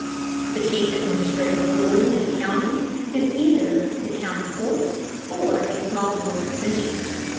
The chief administrative authority in the county is either the county court, or a small board of commissioners.